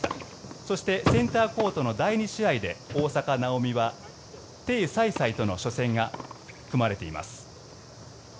そしてセンターコートの第１試合で大坂なおみはテイ・サイサイとの初戦が組まれています。